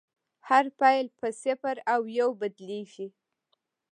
هر فایل په صفر او یو بدلېږي.